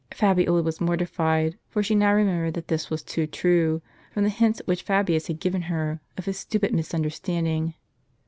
Fabiola was mortified ; for she now remembered that this was too true, from the hints which Fabius had given her, of his stupid misunderstanding.